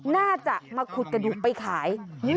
น่าจะมาขุดกระดูกไปขาย